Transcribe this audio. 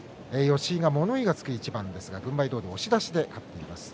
吉井が物言いがつく一番でしたが軍配どおり押し出しで勝ちました。